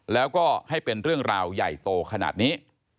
แล้วก็ให้เป็นเรื่องราวใหญ่โตขนาดนี้